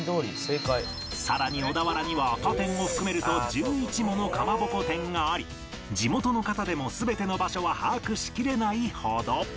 さらに小田原には他店を含めると１１ものかまぼこ店があり地元の方でも全ての場所は把握しきれないほど